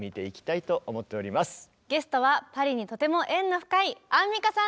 ゲストはパリにとても縁の深いアンミカさんです。